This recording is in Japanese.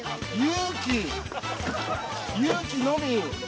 勇気のみ？